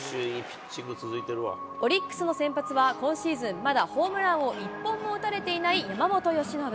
オリックスの先発は、今シーズン、まだホームランを一本も打たれていない山本由伸。